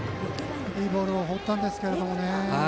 いいボールを放ったんですけれどもね。